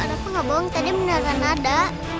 bener kak aku gak bohong tadi beneran ada